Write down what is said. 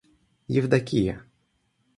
Евдокия